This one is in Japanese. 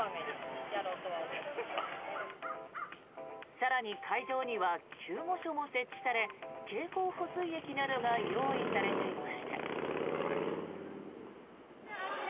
更に会場には救護所も設置され経口補水液などが用意されていました。